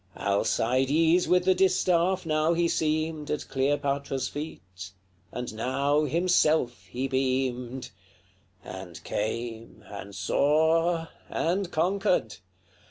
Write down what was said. Alcides with the distaff now he seemed At Cleopatra's feet, and now himself he beamed. XCI. And came, and saw, and conquered.